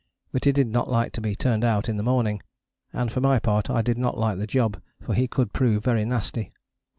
But he did not like to be turned out in the morning, and for my part I did not like the job, for he could prove very nasty.